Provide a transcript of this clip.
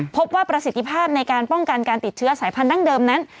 พบว่าประสิทธิภาพในการป้องกันการติดเชื้อสายพันธั้งเดิมนั้น